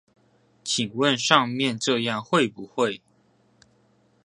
請問上面這樣會不會